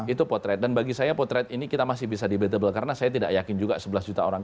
itu potret dan bagi saya potret ini kita masih bisa debatable karena saya tidak yakin juga sebelas juta orang